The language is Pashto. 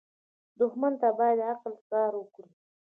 دښمن ته باید عقل کار وکړې